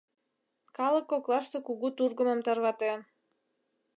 Калык коклаште кугу тургымым тарватен.